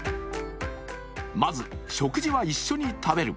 まず食事は一緒に食べる。